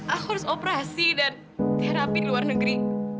aku harus operasi dan terapi di luar negeri